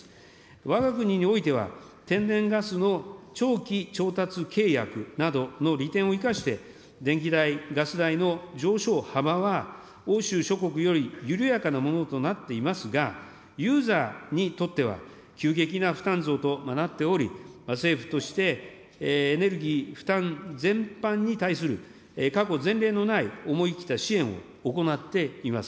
わが国においては、天然ガスの長期調達契約などの利点を生かして、電気代、ガス代の上昇幅は欧州諸国より緩やかなものとなっていますが、ユーザーにとっては急激な負担増となっており、政府としてエネルギー負担全般に対する、過去前例のない思い切った支援を行っています。